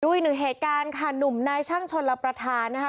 อีกหนึ่งเหตุการณ์ค่ะหนุ่มนายช่างชนรับประทานนะคะ